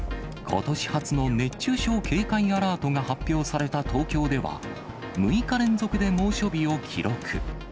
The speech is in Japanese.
ことし初の熱中症警戒アラートが発表された東京では、６日連続で猛暑日を記録。